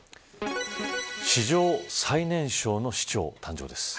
史上最年少の市長の誕生です。